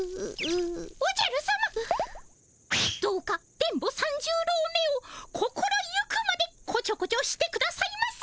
おじゃるさまどうか電ボ三十郎めを心行くまでこちょこちょしてくださいませ！